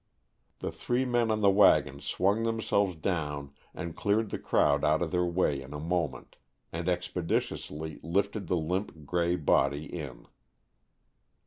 The three men on the wagon swung themselves down and cleared the crowd out of their way in a moment, and expeditiously lifted the limp gray body in.